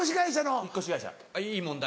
いい問題。